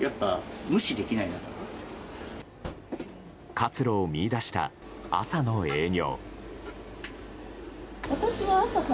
活路を見いだした朝の営業。